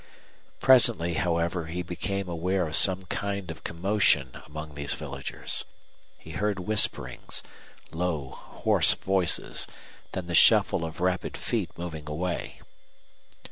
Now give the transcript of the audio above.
Presently, however, he became aware of some kind of commotion among these villagers. He heard whisperings, low, hoarse voices, then the shuffle of rapid feet moving away.